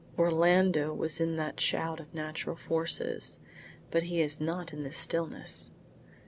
Orlando was in that shout of natural forces, but he is not in this stillness.